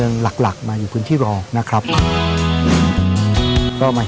นนนนนนน